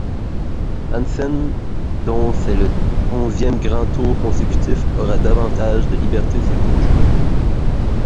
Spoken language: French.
Hansen, dont c'est le onzième grand tour consécutif, aura davantage de liberté certains jours.